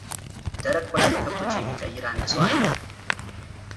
ደረቅ ቆዳ በከብቶች የሚቀይር አንድ ሰው አለ፡፡